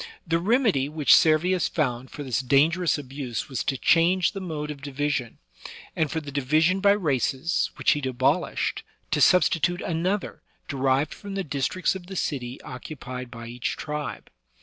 The remedy which Servius found for this dangerous abuse was to change the mode of division, and for the division by races, which he abolished, to substitute another de rived from the districts of the city occupied by each tribe.